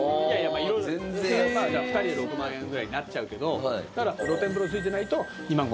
まあ色々２人で６万円ぐらいになっちゃうけど露天風呂付いてないと。